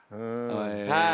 はい。